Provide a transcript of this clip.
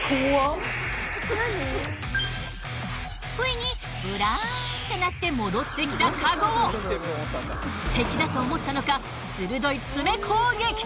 不意にブラーンってなって戻ってきたカゴを敵だと思ったのか鋭い爪攻撃！